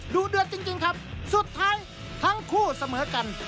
ดูเดือดจริงครับสุดท้ายทั้งคู่เสมอกัน